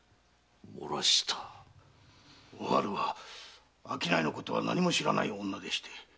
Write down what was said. お春は商いのことは何も知らない女でした。